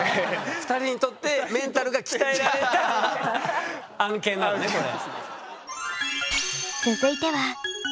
２人にとってメンタルが鍛えられた案件なのねこれ。